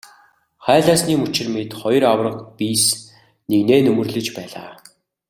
Хайлаасны мөчир мэт хоёр аварга биес нэгнээ нөмөрлөж байлаа.